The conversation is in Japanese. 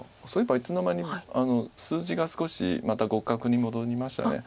そういえばいつの間に数字が少しまた互角に戻りました。